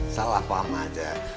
salah pamah aja